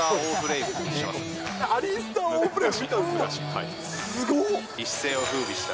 アリスター・オーフレイム。